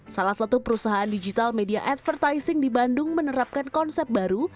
salah satu perusahaan digital media advertising di bandung menerapkan konsep baru